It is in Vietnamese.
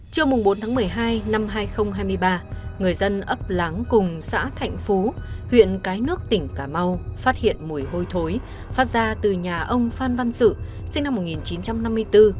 trưa bốn tháng một mươi hai năm hai nghìn hai mươi ba người dân ấp láng cùng xã thạnh phú huyện cái nước tỉnh cà mau phát hiện mùi hôi thối phát ra từ nhà ông phan văn sự sinh năm một nghìn chín trăm năm mươi bốn